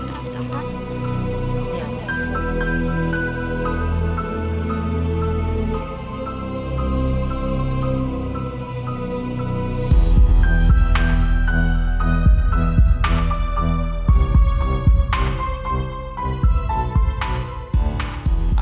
อยากดูข้างล่างดูหมื่น